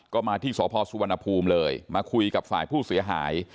ก็มาที่สพสุวรรณภูมิเลยมาคุยกับฝ่ายผู้เสียหาย